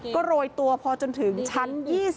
ก็โรยตัวพอจนถึงชั้น๒๐